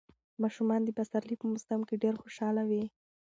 ماشومان د پسرلي په موسم کې ډېر خوشاله وي.